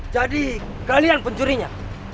jadi kalian pencurinya